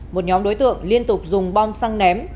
một nhóm đối tượng liên tục dùng bom xăng ném